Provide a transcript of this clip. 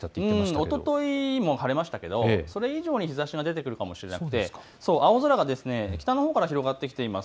おとといも晴れましたけどそれ以上に晴れ間が出てくる予想でして青空が北のほうから広がってきています。